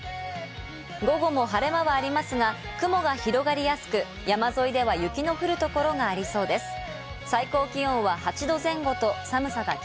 午後も晴れ間はありますが、雲が広がりやすく、山沿いでは雪の降る所がありそうです。